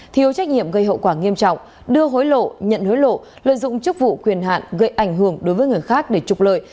thiếu trách nhiệm gây hậu quả nghiêm trọng đưa hối lộ nhận hối lộ lợi dụng chức vụ quyền hạn gây ảnh hưởng đối với người khác để trục lợi